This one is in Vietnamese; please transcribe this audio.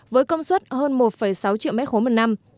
với công suất hơn một sáu triệu m ba một năm